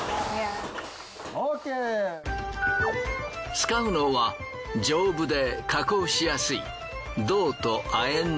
使うのは丈夫で加工しやすい銅と亜鉛の合金真鍮。